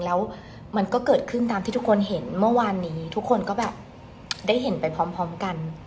แล้วมันก็เกิดขึ้นตามที่ทุกคนเห็นเมื่อวานนี้ทุกคนก็แบบได้เห็นไปพร้อมกัน